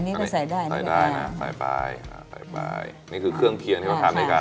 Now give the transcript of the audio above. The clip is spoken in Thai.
นี่ก็ใส่ได้นะใส่ได้นะใส่ไปอ่าใส่ไปนี่คือเครื่องเคียงที่เขาทานด้วยกัน